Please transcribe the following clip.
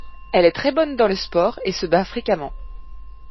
Elle est très bonne dans le sport et se bat fréquemment.